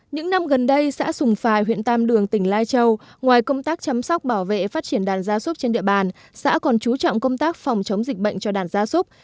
những năm gần đây xã sùng phài huyện tam đường tỉnh lai châu ngoài công tác chăm sóc bảo vệ phát triển đàn gia súc trên địa bàn xã còn chú trọng công tác phòng chống dịch bệnh cho đàn gia súc